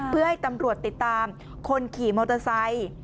เพื่อให้ตำรวจติดตามคนขี่มอเตอร์ไซค์